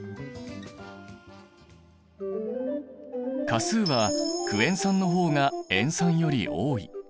価数はクエン酸の方が塩酸より多い。